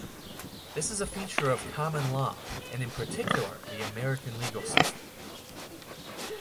This is a feature of common law, and in particular the American legal system.